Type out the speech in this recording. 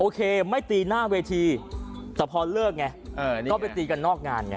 โอเคไม่ตีหน้าเวทีแต่พอเลิกไงก็ไปตีกันนอกงานไง